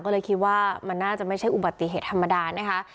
ก็เลยคิดว่ามันน่าจะไม่ใช่อุบัติเหตุธรรมดานะคะ